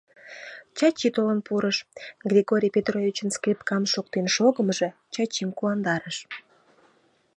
Чачи толын пурыш, Григорий Петровичын скрипкам шоктен шогымыжо Чачим куандарыш.